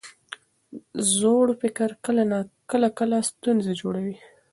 زوړ فکر کله کله ستونزې جوړوي.